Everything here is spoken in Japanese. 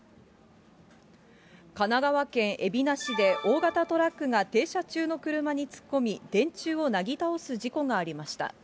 神奈川県海老名市で、大型トラックが停車中の車に突っ込み、電柱をなぎ倒す事故がありました。